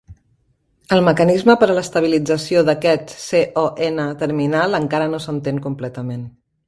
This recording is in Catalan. El mecanisme per a l'estabilització d'aquest Co N terminal encara no s'entén completament.